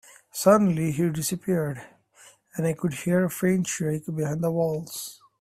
Suddenly, he disappeared, and I could hear a faint shriek behind the walls.